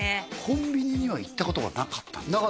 コンビニには行ったことがなかったんですか？